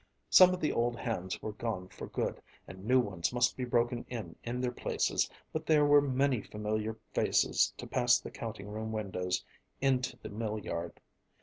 Some of the old hands were gone for good and new ones must be broken in in their places, but there were many familiar faces to pass the counting room windows into the mill yard.